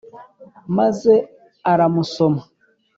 Maze aramusoma